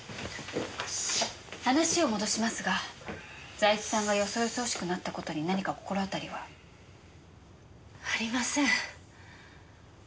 話を戻しますが財津さんがよそよそしくなった事に何か心当たりは？ありません。